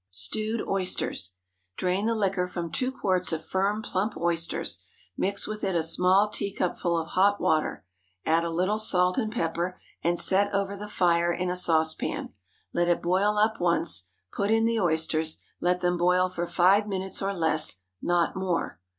STEWED OYSTERS. Drain the liquor from two quarts of firm, plump oysters; mix with it a small teacupful of hot water, add a little salt and pepper, and set over the fire in a saucepan. Let it boil up once, put in the oysters, let them boil for five minutes or less—not more.